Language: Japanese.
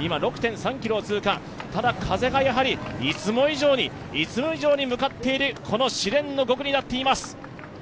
今、６．３ｋｍを通過、風がいつも以上に向かっているこの試練の５区になっています。